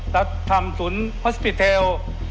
แล้วทำศูนย์ฮอสปิเตล